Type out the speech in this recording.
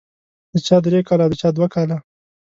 د چا درې کاله او د چا دوه کاله.